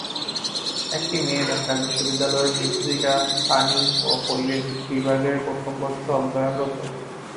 একটি মেয়ে ঢাকা বিশ্ববিদ্যালয়ের মৃত্তিকা, পানি ও পরিবেশ বিভাগে প্রথম বর্ষে অধ্যয়নরত।